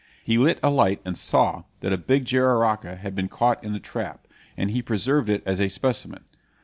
He lit a light and saw that a big jararaca had been caught in the trap; and he preserved it as a specimen.